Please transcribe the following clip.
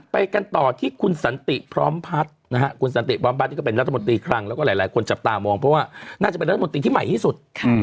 ไปกันต่อที่คุณสันติพร้อมพัฒน์คุณสันติพร้อมพัฒน์ก็เป็นรัฐมนตรีคลังแล้วก็หลายคนจับตามองเพราะว่าน่าจะเป็นรัฐมนตรีที่ใหม่ที่สุด